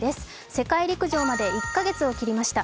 世界陸上まで１か月を切りました。